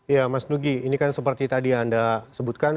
ya mas nugi ini kan seperti tadi yang anda sebutkan